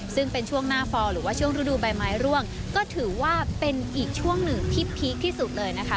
ซึ่งเป็นช่วงหน้าฟอลหรือว่าช่วงฤดูใบไม้ร่วงก็ถือว่าเป็นอีกช่วงหนึ่งที่พีคที่สุดเลยนะคะ